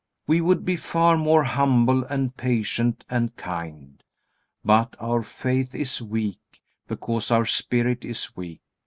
We would be far more humble and patient and kind. But our faith is weak, because our spirit is weak.